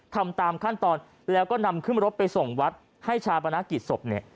ทำตามขั้นตอนแล้วก็นำขึ้นรถไปส่งวัดให้ชาปนกิจศพเนี่ย